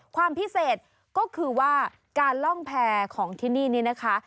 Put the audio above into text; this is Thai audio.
ความพิเศษก็คือว่าการล่องแพร่ของที่นี่นี่นะคะ